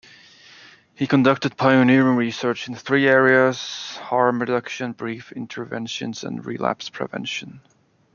He conducted pioneering research in three areas: harm reduction, brief interventions, and relapse prevention.